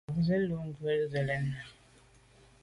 Mba zit manwù lo ghù se lèn.